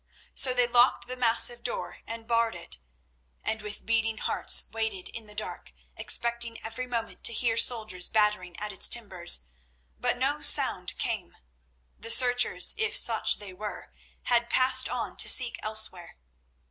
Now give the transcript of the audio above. So they locked the massive door and barred it, and with beating hearts waited in the dark, expecting every moment to hear soldiers battering at its timbers. But no sound came; the searchers, if such they were, had passed on to seek elsewhere.